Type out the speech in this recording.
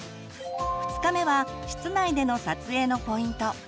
２日目は室内での撮影のポイント。